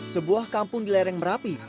sebuah kampung di lereng merapi